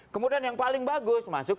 kemudian yang paling bagus masuk